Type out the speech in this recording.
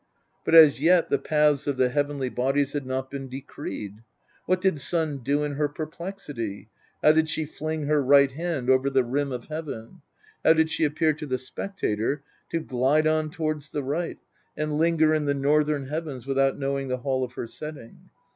But as yet the paths of the heavenly bodies had not been decreed. What did Sun do in her perplexity ? How did she fling her right hand over the rim of heaven ? Did she appear to the spectator to glide cm towards the right, and linger in the northern heavens without knowing the hall of her setting